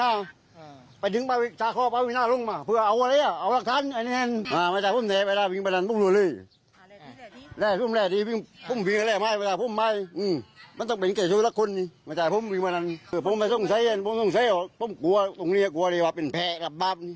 ถ้าต้องใช้ต้องกลัวตรงนี้กลัวเลยว่าเป็นแผงหรือเปล่า